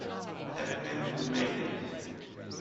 I have come to make it.